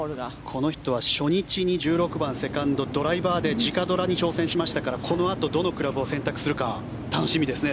この人は初日に１６番、セカンドでドライバーで直ドラに挑戦しましたからこのあとどのクラブを選択するか楽しみですね。